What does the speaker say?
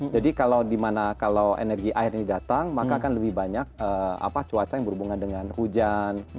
jadi kalau di mana kalau energi air ini datang maka akan lebih banyak cuaca yang berhubungan dengan hujan